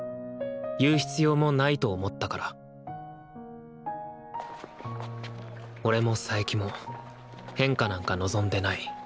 言う必要もないと思ったから俺も佐伯も変化なんか望んでない。